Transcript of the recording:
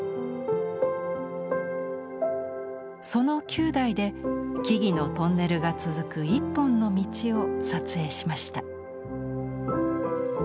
その９台で木々のトンネルが続く一本の道を撮影しました。